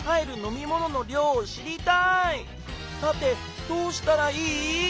さてどうしたらいい？